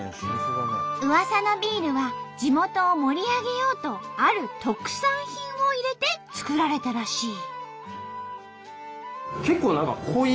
うわさのビールは地元を盛り上げようとある特産品を入れて作られたらしい。